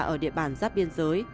ở địa bàn giáp biên giới